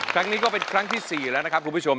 ครั้งนี้ก็เป็นครั้งที่๔แล้วนะครับคุณผู้ชม